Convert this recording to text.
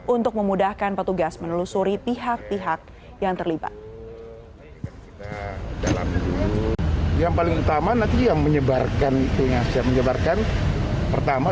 untuk memudahkan petugas menelusuri pihak pihak yang terlibat